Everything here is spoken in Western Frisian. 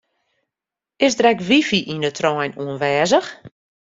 Is der ek wifi yn de trein oanwêzich?